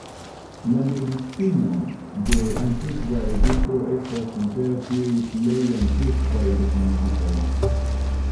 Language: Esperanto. La medicino de Antikva Egipto estas inter tiuj plej antikvaj dokumentitaj.